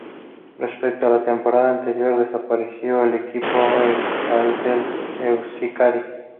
Respecto a la temporada anterior desapareció el equipo Euskaltel Euskadi.